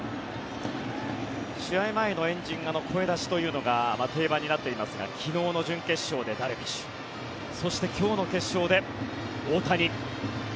試合前の円陣、声出しというのが定番になっていますが昨日の準決勝でダルビッシュそして、今日の決勝で大谷。